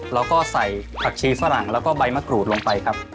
แล้วก็ใส่ผักชีฝรั่งแล้วก็ใบมะกรูดลงไปครับ